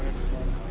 はい。